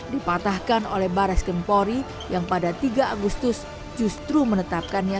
dipatahkan oleh barai skrimpori yang pada tiga agustus justru menetapkannya